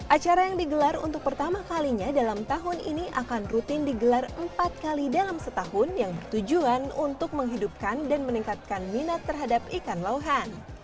acara yang digelar untuk pertama kalinya dalam tahun ini akan rutin digelar empat kali dalam setahun yang bertujuan untuk menghidupkan dan meningkatkan minat terhadap ikan lohan